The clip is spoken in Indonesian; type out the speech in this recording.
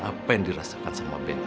apa yang dirasakan sama benn